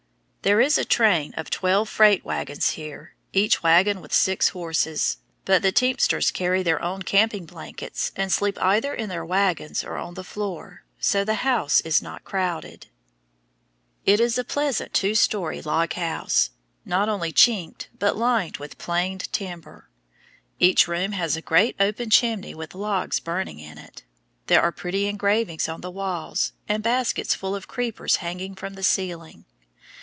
There is a train of twelve freight wagons here, each wagon with six horses, but the teamsters carry their own camping blankets and sleep either in their wagons or on the floor, so the house is not crowded. It is a pleasant two story log house, not only chinked but lined with planed timber. Each room has a great open chimney with logs burning in it; there are pretty engravings on the walls, and baskets full of creepers hanging from the ceiling.